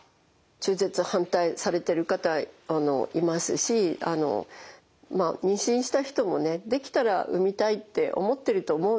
中絶反対されてる方はいますし妊娠した人もねできたら産みたいって思ってると思うんです。